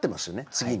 次に。